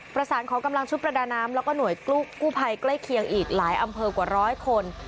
ประสานขอกำลังชุดประดาน้ำแล้วก็หน่วยกู้ภัยใกล้เคียงอีกหลายอำเภอกว่าร้อยคน